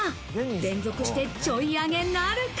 連続してちょい上げなるか？